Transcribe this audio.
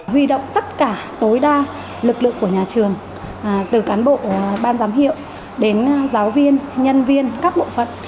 huy động tất cả tối đa lực lượng của nhà trường từ cán bộ ban giám hiệu đến giáo viên nhân viên các bộ phận